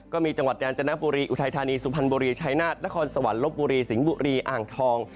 จังหวัดกาญจนบุรีอุทัยธานีสุพรรณบุรีชายนาฏนครสวรรค์ลบบุรีสิงห์บุรีอ่างทอง